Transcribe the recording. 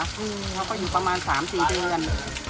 เขาก็อยู่ประมาณ๓๔เดือน